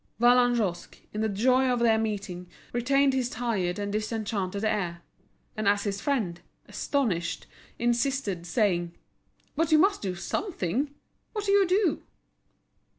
Vallagnosc, in the joy of their meeting, retained his tired and disenchanted air; and as his friend, astonished, insisted, saying: "But you must do something. What do you do?"